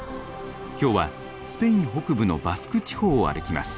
今日はスペイン北部のバスク地方を歩きます。